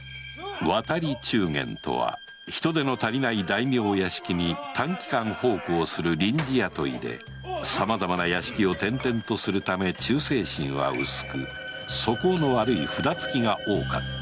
「渡り中間」とは人手の足りない大名屋敷に短期間奉公する臨時雇いで様々な屋敷を転々とするため忠誠心は薄く素行の悪い札つきが多かった